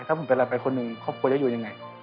ถ้าผมเป็นอะไรไปคนหนึ่งครอบครัวจะอยู่ยังไง